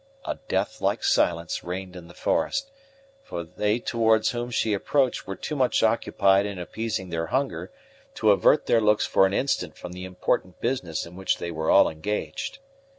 A death like silence reigned in the forest, for they towards whom she approached were too much occupied in appeasing their hunger to avert their looks for an instant from the important business in which they were all engaged.